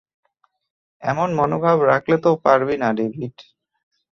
এমন মনোভাব রাখলে তো পারবি না, ডেভিড।